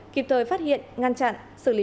kịp thời phát hiện ngăn chặn xử lý các đối tượng